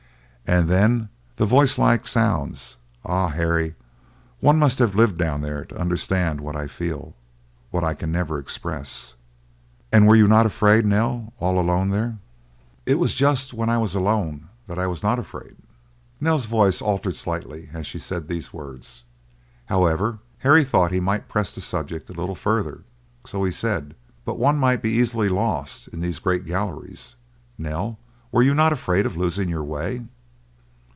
And then the voice like sounds! Ah, Harry! one must have lived down there to understand what I feel, what I can never express." "And were you not afraid, Nell, all alone there?" "It was just when I was alone that I was not afraid." Nell's voice altered slightly as she said these words; however, Harry thought he might press the subject a little further, so he said, "But one might be easily lost in these great galleries, Nell. Were you not afraid of losing your way?"